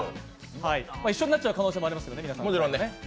一緒になっちゃう可能性もありますからね、皆さん。